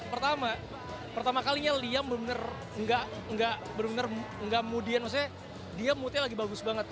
pertama pertama kalinya liam bener bener gak mood nya dia mood nya lagi bagus banget